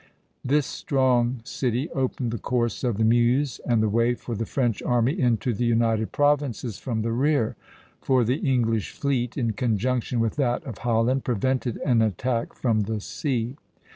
This strong city opened the course of the Meuse and the way for the French army into the United Provinces from the rear; for the English fleet, in conjunction with that of Holland, prevented an attack from the sea.